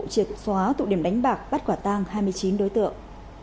triệt xóa tụ điểm đánh bạc bắt quả tang hai mươi chín đối tượng